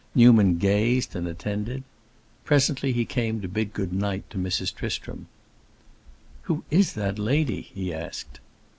Newman gazed and attended. Presently he came to bid good night to Mrs. Tristram. "Who is that lady?" he asked.